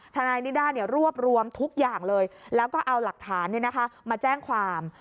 ทนายนิด้ารวบรวมทุกอย่างเลยแล้วก็เอาหลักฐานมาแจ้งความ